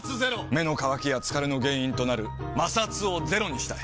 目の渇きや疲れの原因となる摩擦をゼロにしたい。